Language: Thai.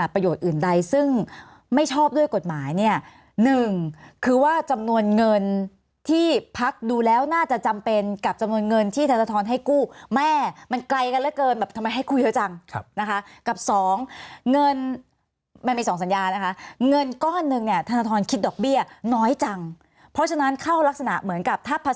อื่นใดซึ่งไม่ชอบด้วยกฎหมายเนี่ยหนึ่งคือว่าจำนวนเงินที่พักดูแล้วน่าจะจำเป็นกับจำนวนเงินที่ธนทรให้กู้แม่มันไกลกันเหลือเกินแบบทำไมให้กู้เยอะจังนะคะกับสองเงินมันมีสองสัญญานะคะเงินก้อนหนึ่งเนี่ยธนทรคิดดอกเบี้ยน้อยจังเพราะฉะนั้นเข้ารักษณะเหมือนกับถ้าผ